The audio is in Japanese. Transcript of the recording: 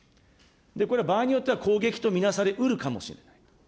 これは場合によっては、攻撃と見なされうるかもしれない。